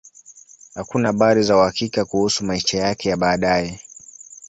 Hakuna habari za uhakika kuhusu maisha yake ya baadaye.